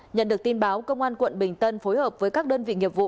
nhận được tin báo công an quận bình tân phối hợp với các đơn vị nghiệp vụ